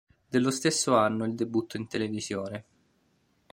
Dello stesso anno il debutto in televisione.